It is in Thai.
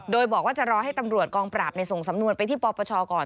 โดยบอกว่าจะรอให้ตำรวจกองปราบส่งสำนวนไปที่ปปชก่อน